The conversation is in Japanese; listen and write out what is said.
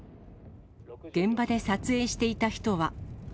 現場で撮影していた人は。